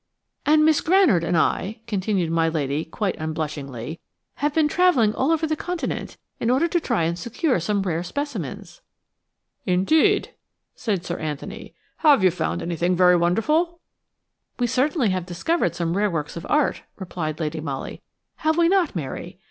"And Miss Granard and I," continued my lady, quite unblushingly, "have been travelling all over the Continent in order to try and secure some rare specimens." "Indeed," said Sir Anthony. "Have you found anything very wonderful?" "We certainly have discovered some rare works of art," replied Lady Molly, "have we not, Mary?